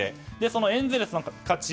そのエンゼルスの価値